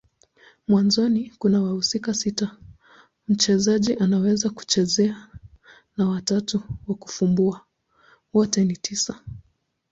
Mwanzoni kuna wahusika sita mchezaji anaweza kuchezea na watatu wa kufumbua. Wote ni tisa.